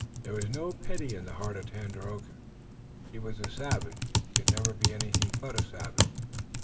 There was no pity in the heart of Tandakora. He was a savage and he could never be anything but a savage.